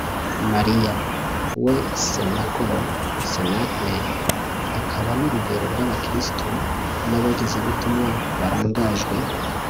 mariya, we senakolo(cenacle) akaba n'urugero rw'abakristu n'abogezabutumwa barangajwe